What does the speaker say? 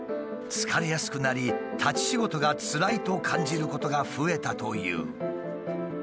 疲れやすくなり立ち仕事がつらいと感じることが増えたという。